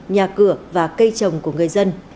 nhà cửa và cây trồng của người dân